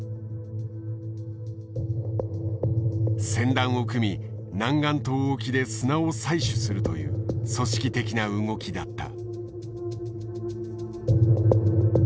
船団を組み南竿島沖で砂を採取するという組織的な動きだった。